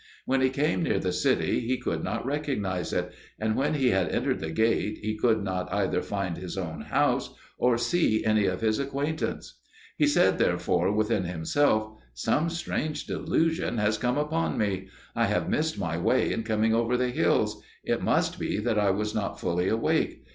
When he came near the city he could not recognise it, and when he had entered the gate he could not either find his own house or see any of his acquaintance. He said therefore within himself, "Some strange delusion has come upon me; I have missed my way in coming over the hills: it must be that I was not fully awake.